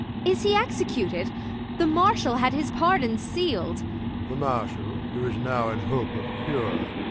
Ang. Is he executed 1 The Marshal had his pardon seal'd. Prov. The Marshal, who is now in hope of cure.